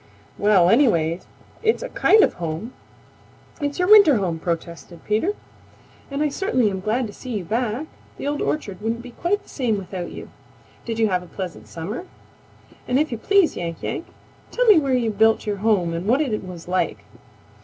"Well anyway, it's a kind of home; it's your winter home," protested Peter, "and I certainly am glad to see you back. The Old Orchard wouldn't be quite the same without you. Did you have a pleasant summer? And if you please, Yank Yank, tell me where you built your home and what it was like."